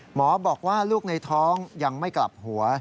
หมอบอกว่าลูกในท้องยังไม่กลับหัว